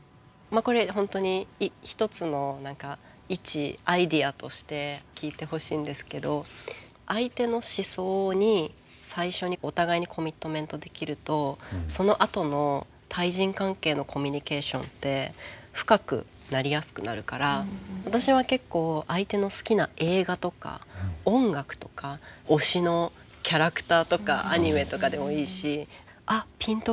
これ本当に一つの一アイデアとして聞いてほしいんですけど相手の思想に最初にお互いにコミットメントできるとそのあとの対人関係のコミュニケーションって深くなりやすくなるから私は結構相手の好きな映画とか音楽とか推しのキャラクターとかアニメとかでもいいし「あピンと来る」って思ってるもの